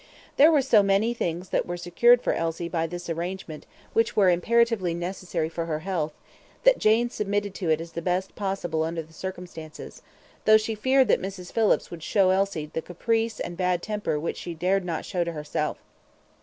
There were so many things that were secured for Elsie by this arrangement which were imperatively necessary for her health, that Jane submitted to it as the best possible under the circumstances, though she feared that Mrs. Phillips would show to Elsie the caprice and bad temper which she dared not show to herself.